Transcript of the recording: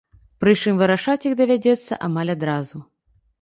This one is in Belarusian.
Прычым вырашаць іх давядзецца амаль адразу.